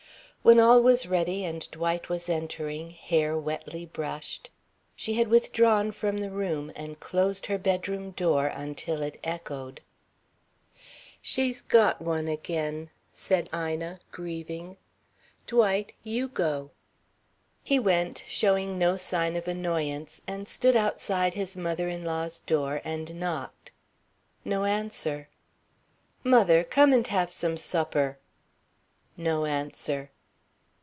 When all was ready and Dwight was entering, hair wetly brushed, she had withdrawn from the room and closed her bedroom door until it echoed. "She's got one again," said Ina, grieving; "Dwight, you go." He went, showing no sign of annoyance, and stood outside his mother in law's door and knocked. No answer. "Mother, come and have some supper." No answer.